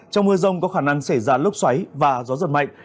trong mưa rông có khả năng xảy ra lốc xoáy và gió giật mạnh